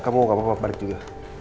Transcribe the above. kamu gak apa apa balik juga